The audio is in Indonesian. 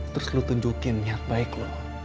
terus lu tunjukin niat baik lu